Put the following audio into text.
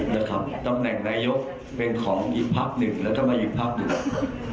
นะครับตำแหน่งนายกเป็นของอีกพักหนึ่งแล้วทำไมอีกพักหนึ่ง